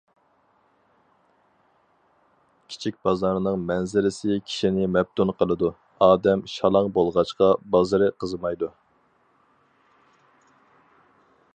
كىچىك بازارنىڭ مەنزىرىسى كىشىنى مەپتۇن قىلىدۇ، ئادەم شالاڭ بولغاچقا بازىرى قىزىمايدۇ.